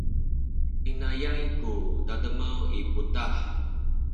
inayay ku tademaw i putah.